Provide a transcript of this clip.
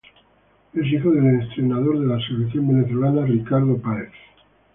Es hijo del ex entrenador de la selección venezolana, Richard Páez.